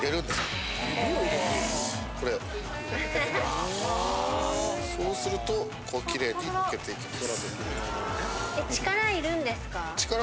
・はぁ・そうするとこうきれいにむけていきます。